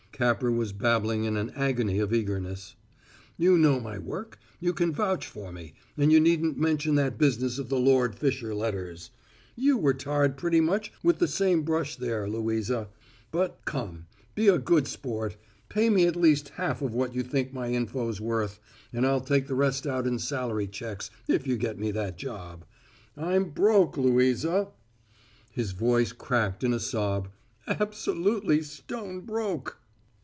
Capper was babbling in an agony of eagerness. "You know my work. You can vouch for me, and you needn't mention that business of the Lord Fisher letters; you were tarred pretty much with the same brush there, Louisa. But, come, be a good sport; pay me at least half of what you think my info's worth, and I'll take the rest out in salary checks, if you get me that job. I'm broke, Louisa!" His voice cracked in a sob. "Absolutely stony broke!"